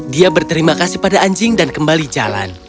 dia berterima kasih pada anjing dan kembali jalan